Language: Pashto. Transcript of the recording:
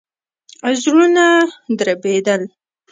زړونه دربېدل.